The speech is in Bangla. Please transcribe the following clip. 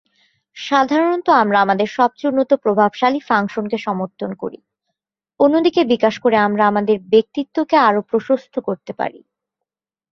সাধারণত, আমরা আমাদের সবচেয়ে উন্নত "প্রভাবশালী" ফাংশনকে সমর্থন করি, অন্যদিকে বিকাশ করে আমরা আমাদের ব্যক্তিত্বকে আরও প্রশস্ত করতে পারি।